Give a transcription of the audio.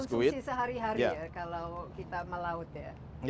konsumsi sehari hari ya kalau kita melaut ya